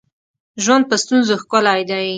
ژوند په ستونزو ښکلی دی